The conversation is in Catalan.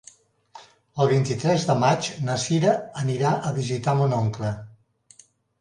El vint-i-tres de maig na Sira anirà a visitar mon oncle.